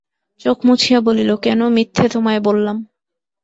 চোখ মুছিয়া বলিল, কেন মিথ্যে তোমায় বললাম।